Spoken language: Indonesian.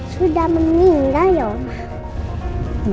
sudah meninggal ya omah